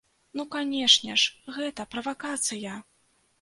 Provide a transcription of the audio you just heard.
Ну, канешне ж, гэта правакацыя!